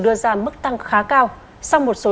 đưa ra mức tăng khá cao song một số